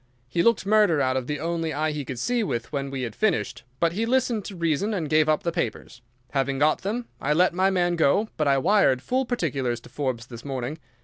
He looked murder out of the only eye he could see with when we had finished, but he listened to reason and gave up the papers. Having got them I let my man go, but I wired full particulars to Forbes this morning.